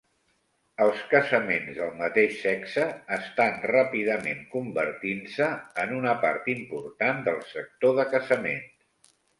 Els casaments del mateix sexe estan ràpidament convertint-se en una part important del sector de casaments.